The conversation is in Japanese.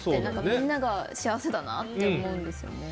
みんなが幸せだなって思うんですよね。